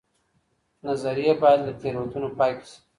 نظريې بايد له تېروتنو پاکي سي.